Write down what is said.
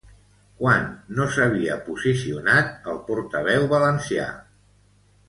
Quan no s'havia posicionat el portaveu valencià?